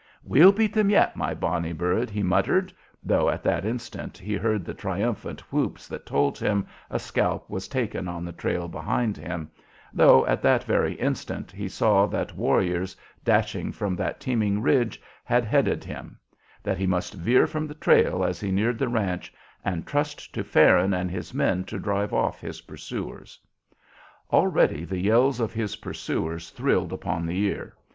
"We'll beat them yet, my bonny bird!" he muttered, though at that instant he heard the triumphant whoops that told him a scalp was taken on the trail behind him, though at that very instant he saw that warriors, dashing from that teeming ridge, had headed him; that he must veer from the trail as he neared the ranch, and trust to Farron and his men to drive off his pursuers. Already the yells of his pursuers thrilled upon the ear.